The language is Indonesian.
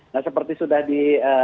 nah seperti sudah di